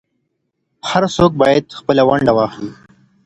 هر څوک بايد خپله ونډه واخلي.